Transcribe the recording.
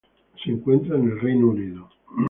Se encuentra en el Reino Unido.